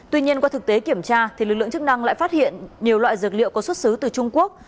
tuy nhiên qua thực tế kiểm tra lực lượng chức năng lại phát hiện nhiều loại dược liệu có xuất xứ từ trung quốc